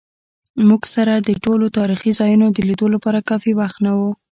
موږ سره د ټولو تاریخي ځایونو د لیدو لپاره کافي وخت نه و.